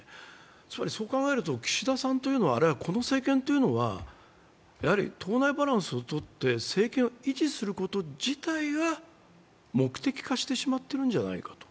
つまりそう考えると、岸田さんというのは、この政権というのは、党内バランスをとって政権を維持すること自体が目的化してしまっているんじゃないかと。